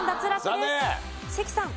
関さん。